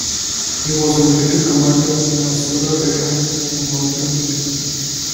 He was a military commander in several battles in northern Italy.